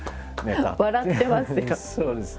笑ってますよ。